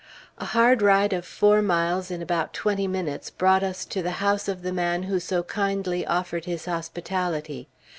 A hard ride of four miles in about twenty minutes brought us to the house of the man who so kindly offered his hospitality.